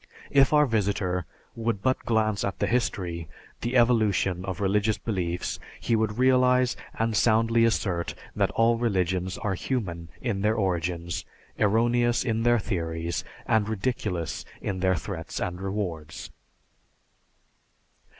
If our visitor would but glance at the history, the evolution, of religious beliefs, he would realize and soundly assert that all religions are human in their origins, erroneous in their theories, and ridiculous in their threats and rewards.